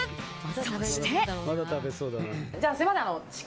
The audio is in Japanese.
そして。